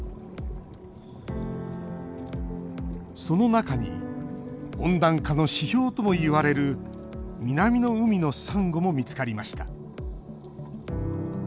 その中に温暖化の指標ともいわれる南の海のサンゴも見つかりました。